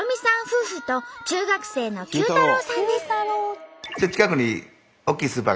夫婦と中学生の球太郎さんです。